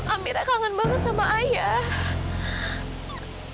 amira kangen banget sama ayah